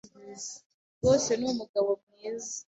rwose ni umugabo mwiza.